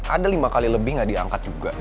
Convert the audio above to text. ada lima kali lebih nggak diangkat juga